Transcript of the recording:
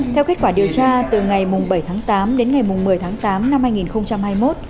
theo kết quả điều tra từ ngày bảy tháng tám đến ngày một mươi tháng tám năm hai nghìn hai mươi một